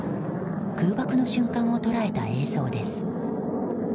空爆の瞬間を捉えた映像です。